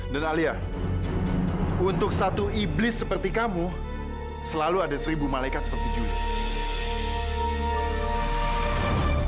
dan alia untuk satu iblis seperti kamu selalu ada seribu malaikat seperti julia